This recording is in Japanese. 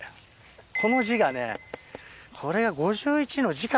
この字がねこれが５１歳の字か？